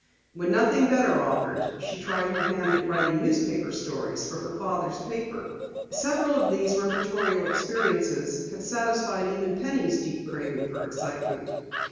When nothing better offered, she tried her hand at writing newspaper stories for her father's paper. Several of these reportorial experiences had satisfied even Penny's deep craving for excitement.